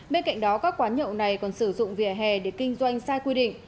bên cạnh đó các quán nhậu này còn sử dụng vỉa hè để kinh doanh sai quy định